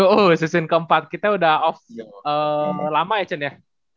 oh season keempat kita udah off lama action ya